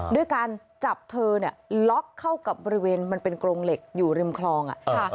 ด้วยการจับเธอล็อกเข้ากับบริเวณมันเป็นกรงเหล็กอยู่ริมคลอง